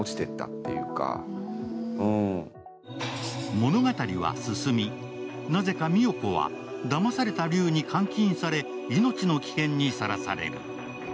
物語は進み、なぜか美世子はだまされた劉に監禁され命の危機にさらされる。